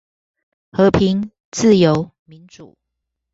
和平、自由、民主